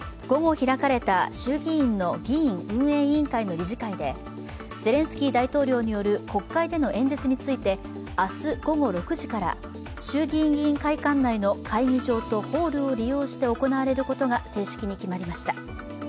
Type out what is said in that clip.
午後開かれた衆議院の議院運営委員会の理事会でゼレンスキー大統領による国会での演説について、明日午後６時から衆議院議員会館内の会議場とホールを利用して行われることが正式に決まりました。